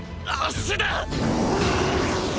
足だ！！